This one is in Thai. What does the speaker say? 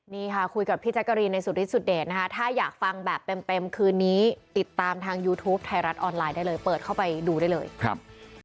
นี่ค่ะคุยกับพี่แจ๊กกะรีนในสุริสุดเดชนะคะถ้าอยากฟังแบบเต็มคืนนี้ติดตามทางยูทูปไทยรัฐออนไลน์ได้เลยเปิดเข้าไปดูได้เลยครับ